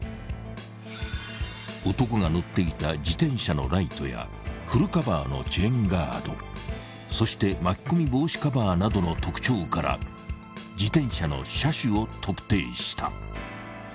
［男が乗っていた自転車のライトやフルカバーのチェーンガードそして巻き込み防止カバーなどの特徴から自転車の車種を特定した！］